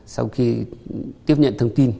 sau khi tiếp nhận thông tin